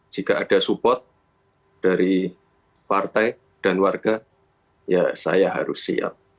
jika ada support dari partai dan warga ya saya harus siap